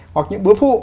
hoặc những bữa phụ